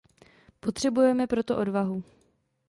Potřebujeme proto odvahu.